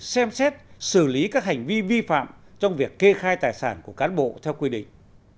xem xét xử lý các hành vi vi phạm trong việc kê khai tài sản của cán bộ theo quy định